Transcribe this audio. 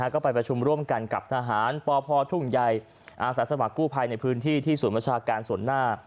ก็ไปประชุมร่วมกันกับทหารปพทุ่งใหญ่อาสาสมัครกู้ภัยในพื้นที่ที่ศูนย์บัญชาการส่วนหน้า